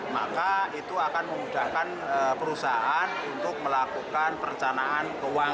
maka itu akan memudahkan perusahaan untuk melakukan perencanaan keuangan